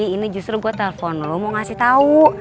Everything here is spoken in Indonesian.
ini justru gue telpon lo mau ngasih tau